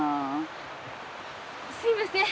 すいません。